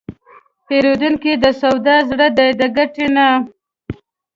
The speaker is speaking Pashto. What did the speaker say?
پیرودونکی د سودا زړه دی، د ګټې نه.